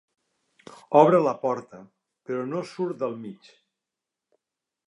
Obre la porta però no surt del mig.